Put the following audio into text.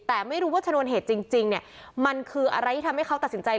แต่ไม่รู้ว่าชนวนเหตุจริงเนี่ยมันคืออะไรที่ทำให้เขาตัดสินใจ